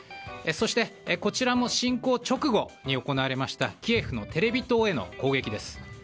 そして、こちらも侵攻直後に行われましたキエフのテレビ塔への攻撃です。